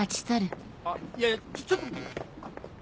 あっいやちょっと！